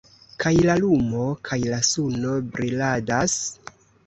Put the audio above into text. Kaj la lumo kaj la suno briladas?